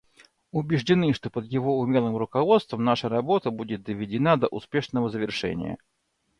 Убеждены, что под его умелым руководством наша работа будет доведена до успешного завершения.